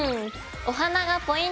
お花がポイント！